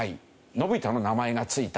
のび太の名前が付いた。